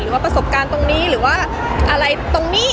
ว่าประสบการณ์ตรงนี้หรือว่าอะไรตรงนี้